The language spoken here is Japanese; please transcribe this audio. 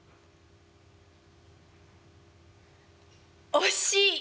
「惜しい。